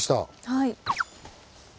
はい。